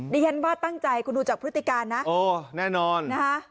ดิฉันว่าตั้งใจคุณดูจากพฤติการนะโอ้แน่นอนนะคะ